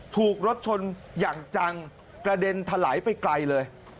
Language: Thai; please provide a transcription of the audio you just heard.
ถูกรถชนอย่างจังกระเด็นถลายไปไกลเลย